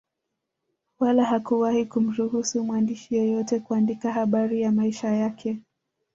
Wala hakuwahi kumruhusu mwandishi yeyote kuandika habari ya maisha yake